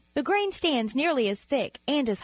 The grain stands nearly as thick and as high.